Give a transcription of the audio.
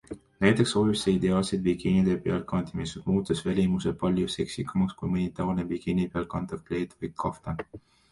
Näiteks sobib see ideaalselt bikiinide peal kandmiseks, muutes välimuse palju seksikamaks kui mõni tavaline bikiinide peal kantav kleit või kaftan.